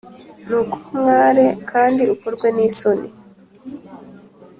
Ni ukuri umware, kandi ukorwe n’isoni